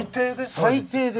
最低で？